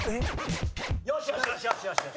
よしよしよしよし！